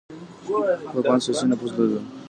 پاپان سياسي نفوذ درلود.